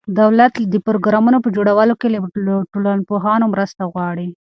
دولت د پروګرامونو په جوړولو کې له ټولنپوهانو مرسته غواړي.